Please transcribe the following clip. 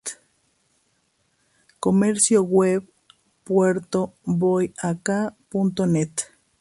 Comercio Web Puertoboyaca.net